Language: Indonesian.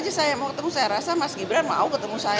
ya bisa saja saya mau ketemu saya rasa mas gibran mau ketemu saya